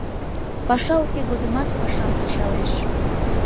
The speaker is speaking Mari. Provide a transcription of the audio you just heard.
Паша уке годымат пашам кычалеш.